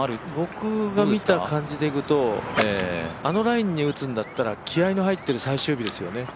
僕が見た感じでいくと、あのラインで打つなら気合いの入ってる最終日ですよね